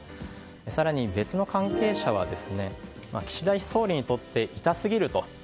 更に別の関係者は岸田総理にとって痛すぎると。